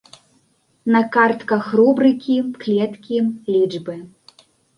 На картках рубрыкі, клеткі, лічбы.